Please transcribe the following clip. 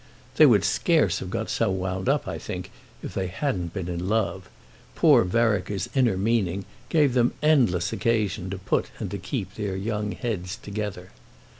They would scarce have got so wound up, I think, if they hadn't been in love: poor Vereker's inner meaning gave them endless occasion to put and to keep their young heads together.